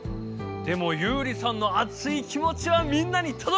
でもユウリさんのあつい気もちはみんなにとどきましたよ！